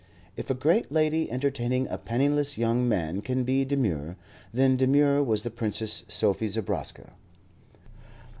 If a great lady entertaining a penniless young man can be demure, then demure was the Princess Sophie Zobraska.